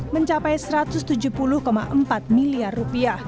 mencapai rp satu ratus tujuh puluh empat miliar